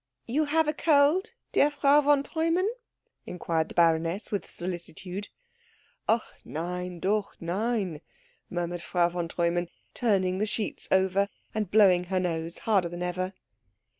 "You have a cold, dear Frau von Treumann?" inquired the baroness with solicitude. "Ach nein doch nein," murmured Frau von Treumann, turning the sheets over, and blowing her nose harder than ever.